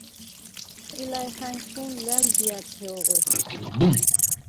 სტილა̈ჲხა̈ნჩუ̄ნ ლა̈ლდღია̈რთე ოღვე.